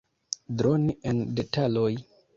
Droni en detaloj.